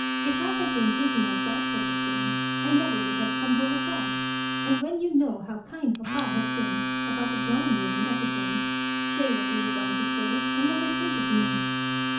If I had been thinking of that sort of thing, I never would have come home at all ; and when you know how kind papa has been about the drawing room and everything. Say what you were going to say, and never think of me."